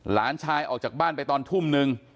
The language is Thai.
หลานชายออกจากบ้านไปตอนทุ่มนึง